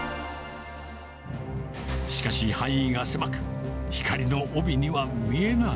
しかし、範囲が狭く、光の帯には見えない。